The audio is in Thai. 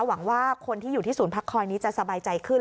หวังว่าคนที่อยู่ที่ศูนย์พักคอยนี้จะสบายใจขึ้น